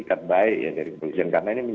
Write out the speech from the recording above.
ikat baik ya dari kepolisian karena ini